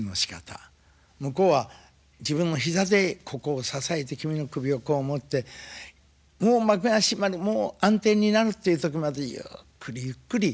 向こうは自分も膝でここを支えて君の首をこう持ってもう幕が閉まるもう暗転になるっていうとこまでゆっくりゆっくり。